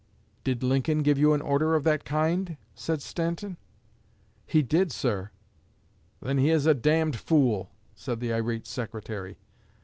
'Did Lincoln give you an order of that kind?' said Stanton. 'He did, sir.' 'Then he is a d d fool,' said the irate Secretary.